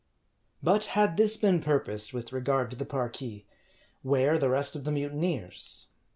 But had this been purposed with regard to the Parki, where the rest of the mutineers